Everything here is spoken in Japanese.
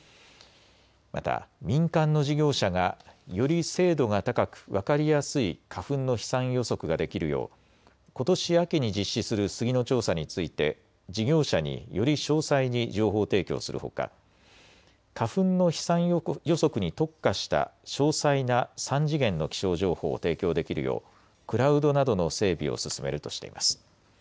また民間の事業者がより精度が高く分かりやすい花粉の飛散予測ができるようことし秋に実施するスギの調査について事業者により詳細に情報提供するほか花粉の飛散予測に特化した詳細な３次元の気象情報を提供できるようクラウドなどの整備を進めるとしています。